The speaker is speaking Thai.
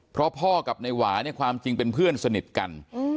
เพราะพ่อกับนายหวาเนี่ยความจริงเป็นเพื่อนสนิทกัน